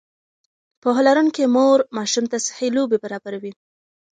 پوهه لرونکې مور ماشوم ته صحي لوبې برابروي.